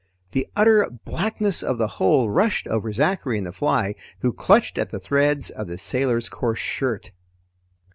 The utter blackness of the hold rushed over Zachary and the fly who clutched at the threads of the sailor's coarse shirt.